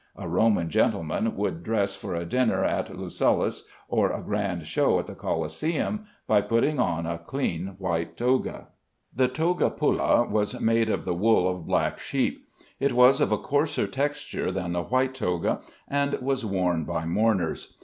A Roman gentleman would dress for a dinner at Lucullus', or a grand show at the Colosseum, by putting on a clean white toga. The toga pulla was made of the wool of black sheep. It was of a coarser texture than the white toga, and was worn by mourners.